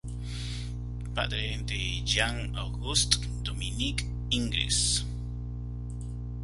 Padre de Jean Auguste Dominique Ingres.